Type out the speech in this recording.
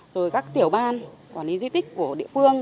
rồi các tiểu ban quản lý di tích của địa phương